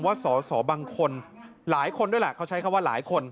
สอสอบางคนหลายคนด้วยแหละเขาใช้คำว่าหลายคน